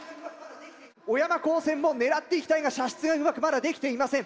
小山高専も狙っていきたいが射出がうまくまだできていません。